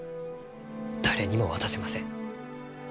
誰にも渡せません。